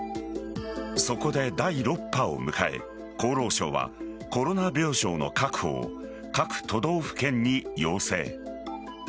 そこで第６波を迎え、厚労省はコロナ病床の確保を各都道府県に要請。